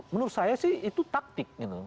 menurut saya sih itu taktik gitu